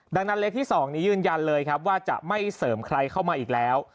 ดังนั้นเลขที่๒นี้ยืนยันเลยครับว่าจะไม่เสริมใครเข้ามาอีกแล้ว